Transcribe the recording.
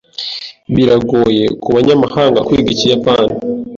Biragoye kubanyamahanga kwiga ikiyapani.